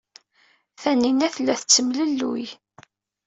Tanina tella tettemlelluy.